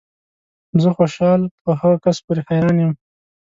زه خوشحال په هغه کس پورې حیران یم